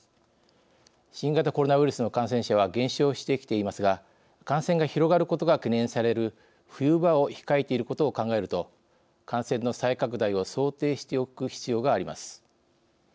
新型コロナウイルスの感染者は減少してきていますが感染が広がることが懸念される冬場を控えていることを考えると感染の再拡大を想定しておく必要があります。